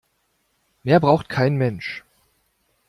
Mehr braucht kein Mensch.